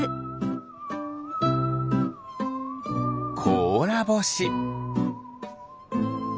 こうらぼし。